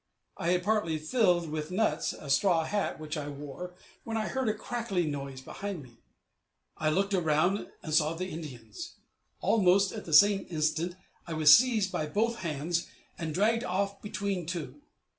"I had partly filled with nuts a straw hat which I wore, when I heard a crackling noise behind me; I looked round, and saw the Indians; almost at the same instant, I was seized by both hands, and dragged off between two.